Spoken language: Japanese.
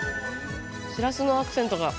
しらすのアクセントが。